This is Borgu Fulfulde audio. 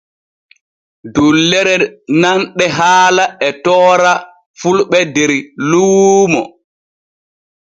Dullere nanɗe haala e toora fulɓe der luuno.